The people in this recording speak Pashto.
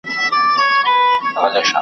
له سر تر نوکه بس ګلدسته یې .